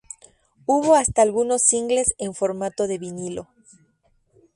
Hubo hasta algunos singles en formato de vinilo.